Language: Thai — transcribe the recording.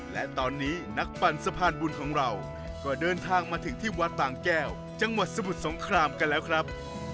และตอนนี้นักปั่นสะพานบุญของเราก็เดินทางมาถึงที่วัดบางแก้วจังหวัดสมุทรสงครามกันแล้วครับ